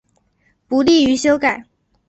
不利于修改